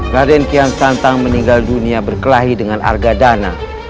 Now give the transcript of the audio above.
raden kian santang meninggal dunia berkelahi dengan argadana